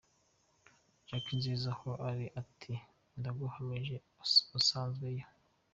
Jack Nziza aho ari ati “Ndaguhamije uzagwe iyo!”.